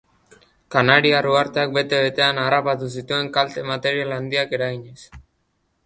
Kanariar uharteak bete-betean harrapatu zituen kalte material handiak eraginez.